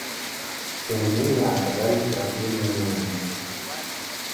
Все мнения оказались противными моему.